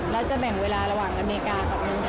แล้วจะแบ่งเวลาระหว่างอเมริกากับอเมริกา